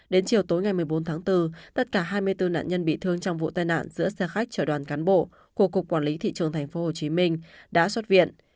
đến chiều tối ngày một mươi bốn tháng bốn tất cả hai mươi bốn nạn nhân bị thương trong vụ tai nạn giữa xe khách chở đoàn cán bộ của cục quản lý thị trường tp hcm đã xuất viện